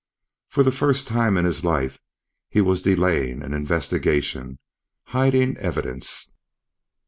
For the first time in his life he was delaying an investigation, hiding evidence.